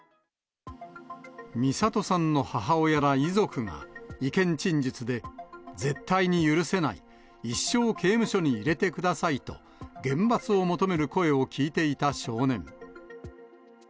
弥里さんの母親ら遺族が、意見陳述で、絶対に許せない、一生刑務所に入れてくださいと、厳罰を求める声を聞いていた少年。